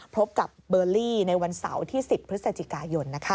พบกับเบอร์ลี่ในวันเสาร์ที่๑๐พฤศจิกายน